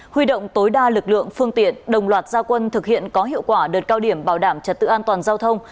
huy động tối đa lực lượng phương tiện đồng loạt gia quân thực hiện có hiệu quả đợt cao điểm bảo đảm trật tự an toàn giao thông